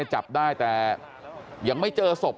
กลับไปลองกลับ